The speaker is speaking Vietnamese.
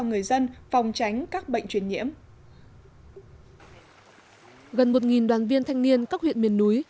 người dân phòng tránh các bệnh truyền nhiễm gần một đoàn viên thanh niên các huyện miền núi